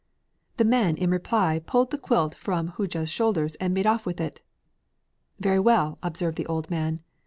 The men, in reply, pulled the quilt from the Hodja's shoulders and made off with it. 'Very well,' observed the old man.